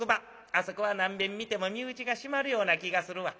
あそこは何べん見ても身内が締まるような気がするわ。